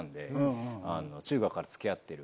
中学から付き合ってる。